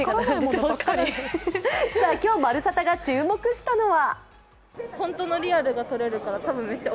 今日「まるサタ」が注目したのは？